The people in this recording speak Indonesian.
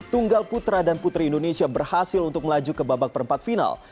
tunggal putra dan putri indonesia berhasil untuk melaju ke babak perempat final